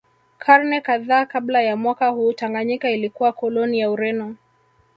Karne kadhaa kabla ya mwaka huu Tanganyika ilikuwa koloni ya Ureno